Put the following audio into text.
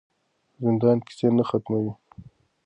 زندان کیسې نه ختموي.